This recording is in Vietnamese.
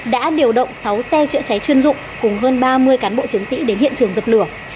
đã điều động sáu xe chữa cháy chuyên dụng cùng hơn ba mươi cán bộ chiến sĩ đến hiện trường dập lửa